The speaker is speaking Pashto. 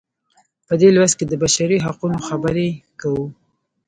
په دې لوست کې د بشري حقونو خبرې کوو.